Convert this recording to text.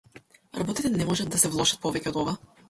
Работите не можат да се влошат повеќе од ова.